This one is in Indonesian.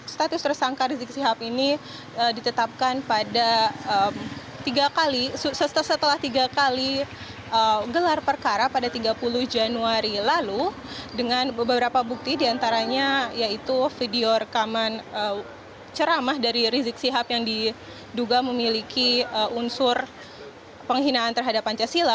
status tersangka rizik syihab ini ditetapkan setelah tiga kali gelar perkara pada tiga puluh januari lalu dengan beberapa bukti diantaranya yaitu video rekaman ceramah dari rizik syihab yang diduga memiliki unsur penghinaan terhadap pancasila